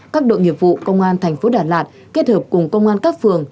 các đội nghiệp vụ công an thành phố đà lạt kết hợp cùng công an các phường